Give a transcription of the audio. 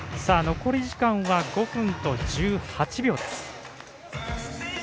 残り時間は５分１８秒です。